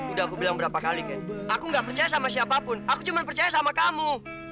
udah aku bilang berapa kali ken aku nggak percaya sama siapapun aku cuma percaya sama kamu